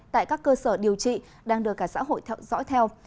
tại các cơ sở điều trị đang được cả xã hội theo dõi theo